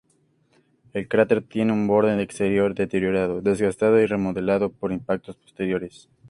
El cráter tiene un borde exterior deteriorado, desgastado y remodelado por impactos posteriores.